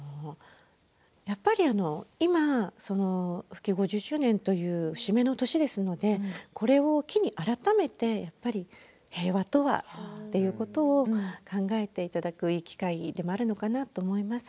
やっぱり今復帰５０周年という節目の年ですのでこれを機に改めて平和とはということを考えていただく、いい機会でもあるのかなと思います。